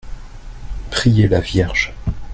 Prier la Vierge.